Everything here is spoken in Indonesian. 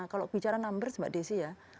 kalau bicara numbers mbak desy ya